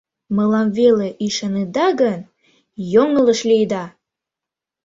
Мылам веле ӱшанеда гын, йоҥылыш лийыда!